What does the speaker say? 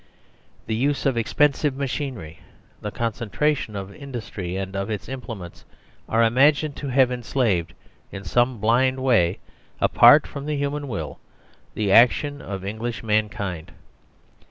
The use of expensive machinery, the concentration of industry and of its implements are imagined to have enslaved, in some blind way, apart from the human will, the action of English mankind.